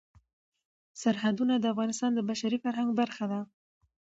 سرحدونه د افغانستان د بشري فرهنګ برخه ده.